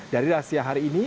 dari rahasia hari ini